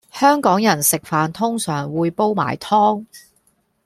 香港人食飯通常會煲埋湯